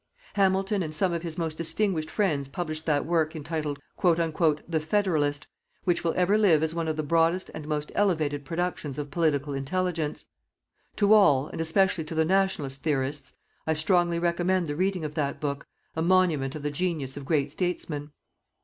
Hamilton and some of his most distinguished friends published that work, entitled: "The Federalist", which will ever live as one of the broadest and most elevated productions of Political Intelligence. To all, and especially to the "Nationalist" theorists, I strongly recommend the reading of that book, a monument of the genius of great statesmen.